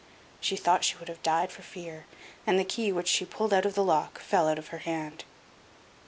She thought she should have died for fear, and the key, which she pulled out of the lock, fell out of her hand.